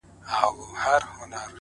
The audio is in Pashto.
o پرېښودلای خو يې نسم،